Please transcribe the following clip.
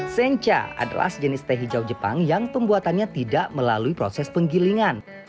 sencha adalah sejenis teh hijau jepang yang pembuatannya tidak melalui proses penggilingan